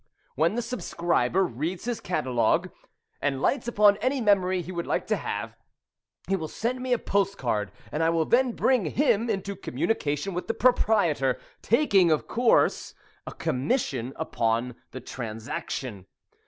When the subscriber reads his catalogue and lights upon any memory he would like to have, he will send me a postcard, and I will then bring him into communication with the proprietor, taking, of course, a commission upon the transaction.